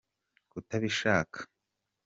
kutabishaka.